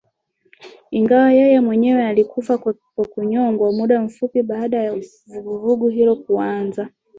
ingawa yeye mwenyewe alikufa kwa kunyongwa muda mfupi baada ya vuguvugu hilo kuanza